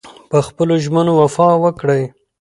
په خپلو ژمنو وفا وکړئ.